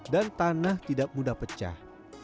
dan tanah tidak mudah pecah